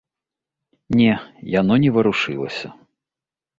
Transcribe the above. Не, яно не варушылася.